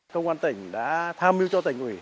công an tỉnh đã tham mưu cho tỉnh ủy